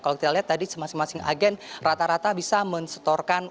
kalau kita lihat tadi masing masing agen rata rata bisa mensetorkan